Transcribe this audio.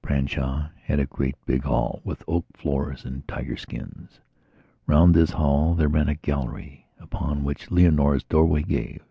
Branshaw had a great big hall with oak floors and tiger skins. Round this hall there ran a gallery upon which Leonora's doorway gave.